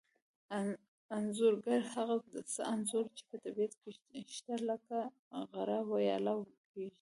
انځورګر هغه څه انځوروي چې په طبیعت کې شته لکه غره ویاله او کېږدۍ